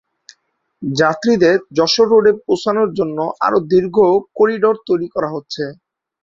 যাত্রীদের যশোর রোডে পৌঁছানোর জন্য আরও দীর্ঘ করিডোর তৈরি করা হচ্ছে।